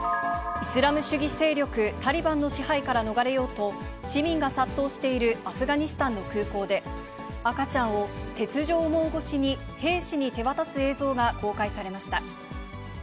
イスラム主義勢力タリバンの支配から逃れようと、市民が殺到しているアフガニスタンの空港で、赤ちゃんを鉄条網越しに兵士に手渡す映像が公開されました。